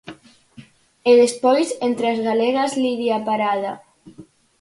E despois, entre as galegas, Lidia Parada.